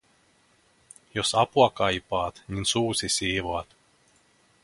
- Jos apua kaipaat, niin suusi siivoat.